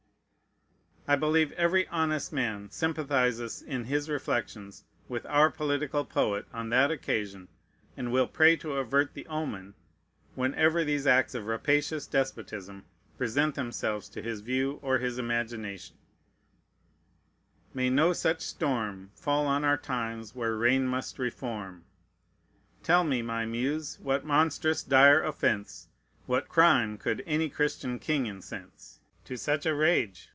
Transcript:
I believe every honest man sympathizes in his reflections with our political poet on that occasion, and will pray to avert the omen, whenever these acts of rapacious despotism present themselves to his view or his imagination: "May no such storm Fall on our times, where rain must reform! Tell me, my Muse, what monstrous, dire offence, What crime could any Christian king incense To such a rage?